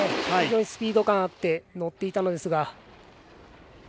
非常にスピード感あって乗っていたのですが。